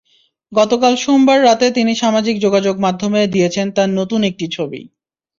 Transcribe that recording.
গতকাল সোমবার রাতে তিনি সামাজিক যোগাযোগমাধ্যমে দিয়েছেন তাঁর নতুন একটি ছবি।